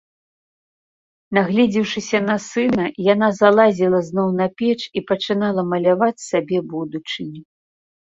Нагледзеўшыся на сына, яна залазіла зноў на печ і пачынала маляваць сабе будучыню.